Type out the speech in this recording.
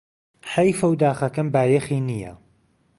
حەیفه و داخەکەم بایەخی نییە